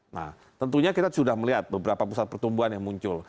nah tentunya kita sudah melihat beberapa pusat pertumbuhan yang muncul